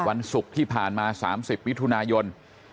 วันศุกร์ที่ผ่านมา๓๐มิถุนายน